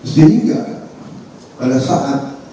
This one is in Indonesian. sehingga pada saat dua ribu sembilan belas